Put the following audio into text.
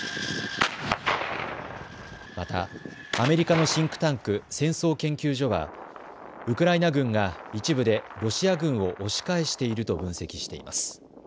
またアメリカのシンクタンク戦争研究所はウクライナ軍が一部でロシア軍を押し返していると分析しています。